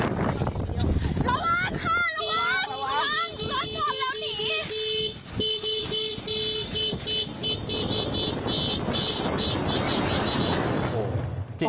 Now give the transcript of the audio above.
ระวังค่ะระวังรถจอดแล้วหนี